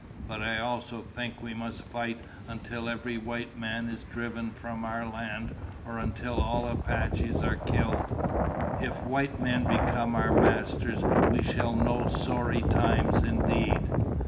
"But I also think we must fight until every white man is driven from our land or until all Apaches are killed. If white men become our masters we shall know sorry times indeed.